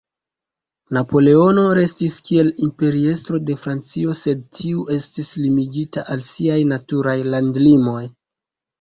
Napoleono restis kiel Imperiestro de Francio, sed tiu estis limigita al siaj "naturaj landlimoj".